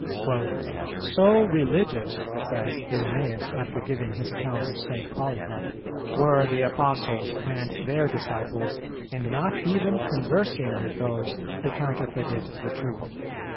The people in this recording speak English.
"So religious," says Irenæus after giving his account of St. Polycarp, "were the Apostles and their disciples, in not even conversing with those who counterfeited the truth."